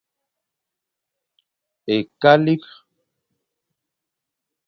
Ekalik.